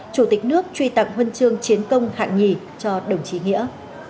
chủ tịch nước truy tặng huân chương chiến công hạng nhì cho đồng chí nghĩa